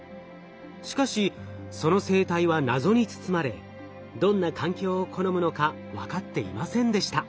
しかしその生態は謎に包まれどんな環境を好むのかわかっていませんでした。